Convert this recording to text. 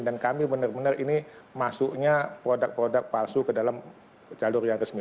dan kami benar benar ini masuknya produk produk palsu ke dalam jalur yang resmi